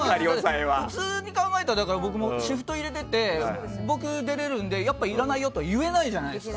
普通に考えたら僕もシフト入れていて僕、出れるんでやっぱりいらないよって言えないじゃないですか。